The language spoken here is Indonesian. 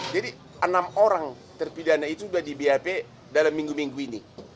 jadi enam orang terpidana itu sudah di bhp dalam minggu minggu ini